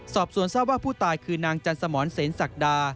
สอบสวนทราบว่าผู้ตายคือนางจันสมรเซนศักดา